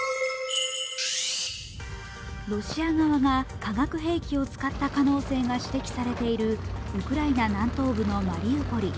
ロシア側が化学兵器を使った可能性が指摘されているウクライナ南東部のマリウポリ。